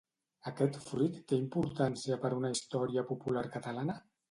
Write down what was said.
Aquest fruit té importància per una història popular catalana?